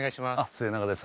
末永です。